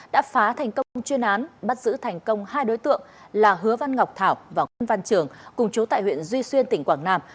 đã phá thành công chuyên án bắt giữ thành công hai đối tượng là hứa văn ngọc thảo và nguyễn văn trường cùng chú tại huyện duy xuyên tỉnh quảng nam